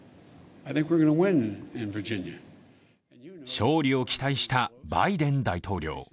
勝利を期待したバイデン大統領。